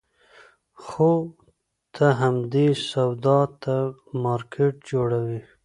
خو ته همدې سودا ته مارکېټ جوړوې.